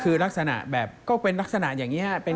คือลักษณะแบบก็เป็นลักษณะอย่างนี้